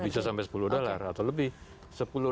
bisa sampai sepuluh dolar atau lebih